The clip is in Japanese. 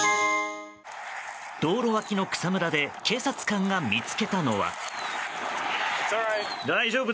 道路脇の草むらで警察官が見つけたのは。